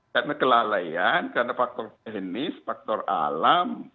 karena kelalaian karena faktor teknis faktor alam